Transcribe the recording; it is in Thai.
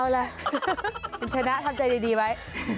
ถึงชนะทำใจดีไว้